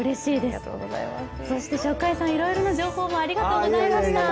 ＳＨＯＣＫＥＹＥさん、いろいろな情報ありがとうございました。